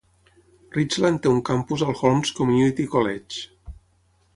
Ridgeland té un campus al Holmes Community College.